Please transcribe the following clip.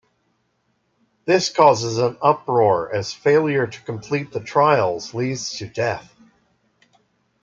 This causes an uproar as failure to complete the trials leads to death.